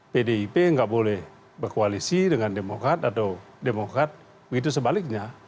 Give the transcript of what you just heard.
pdip nggak boleh berkoalisi dengan demokrat atau demokrat begitu sebaliknya